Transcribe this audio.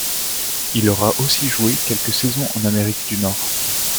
Il aura aussi joué quelques saisons en Amérique du Nord.